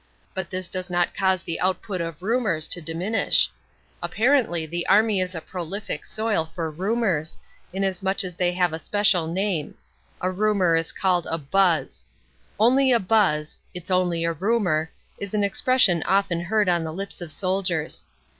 But this does not cause the output of rumours to diminish. Apparently the army is a prolific soil for rumours, inasmuch as they have a special name: a rumour is called a buzz. "Only a buzz" ("it's only a rumour") is an expression often heard on the lips of soldiers.